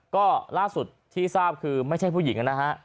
ก็ล่าสุดที่ทราบคือไม่ใช่ผู้หญิงนะฮะ